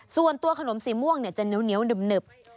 ส่วนตัวขนมสีม่วงเนี่ยจะเหนียวเหนิบ